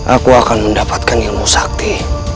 aku akan mendapatkan ilmu sakti